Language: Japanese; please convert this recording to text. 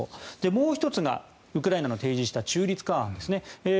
もう１つがウクライナの提示した中立化案ですね。